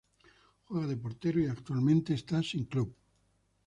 Juega de portero y actualmente está sin club.